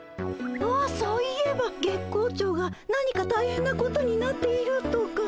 ああそういえば月光町が何かたいへんなことになっているとか。